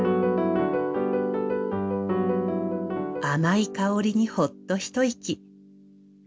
甘い香りにほっとひと息。